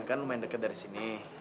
kan lumayan dekat dari sini